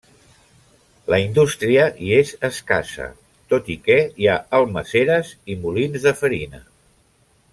La indústria hi és escassa, tot i que hi ha almàsseres i molins de farina.